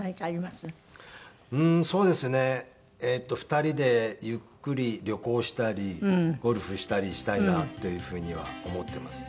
２人でゆっくり旅行したりゴルフしたりしたいなというふうには思ってます。